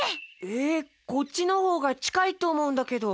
えっこっちのほうがちかいとおもうんだけど。